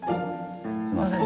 すみません